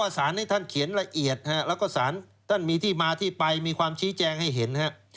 สารนี้ท่านเขียนละเอียดแล้วก็สารท่านมีที่มาที่ไปมีความชี้แจงให้เห็น